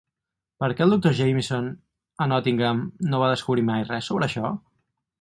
Per què el Dr. Jameson, a Nottingham, no va descobrir mai res sobre això?